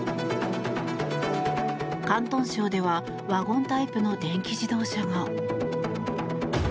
広東省ではワゴンタイプの電気自動車が。